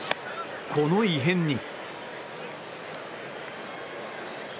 この異変に。